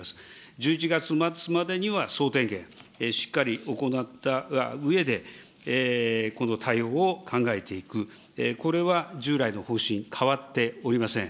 １１月末までには総点検、しっかり行ったうえで、この対応を考えていく、これは従来の方針、変わっておりません。